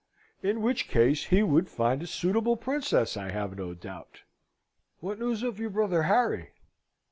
"In which case he would find a suitable Princess, I have no doubt. What news of your brother Harry?"